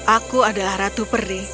aku adalah ratu peri